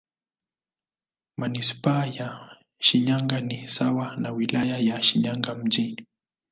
Manisipaa ya Shinyanga ni sawa na Wilaya ya Shinyanga Mjini.